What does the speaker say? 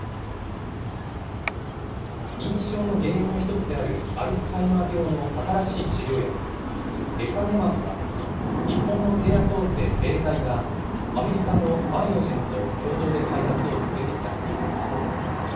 認知症の原因の１つであるアルツハイマー病の新しい治療薬、レカネマブは、日本の製薬大手、エーザイが、アメリカのバイオジェンと共同で開発を進めてきた薬です。